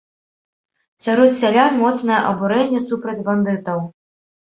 Сярод сялян моцнае абурэнне супраць бандытаў.